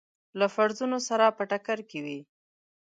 له فرضونو سره په ټکر کې وي.